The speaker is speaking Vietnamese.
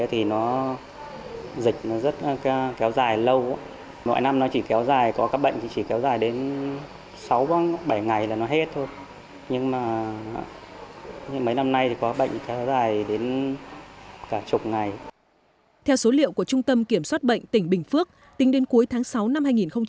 theo số liệu của trung tâm kiểm soát bệnh tỉnh bình phước tính đến cuối tháng sáu năm hai nghìn một mươi chín